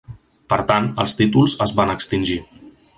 Per tant, els títols es van extingir.